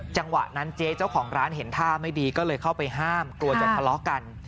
จังหวะนั้นเจ๊เจ้าของร้านเห็นท่าไม่ดีก็เลยเข้าไปห้ามกลัวจะทะเลาะกัน